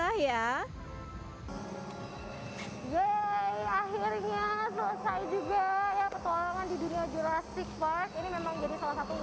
akhirnya selesai juga ya petualangan di dunia jurassic park ini memang jadi salah satu